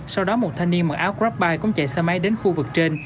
sau đó một thanh niên mặc áo grab bike cũng chạy xe máy đến khu vực trên